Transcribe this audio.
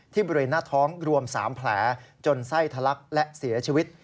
ที่บรินท้องรวม๓แผลจนไส้ทะลักและเสียชีวิต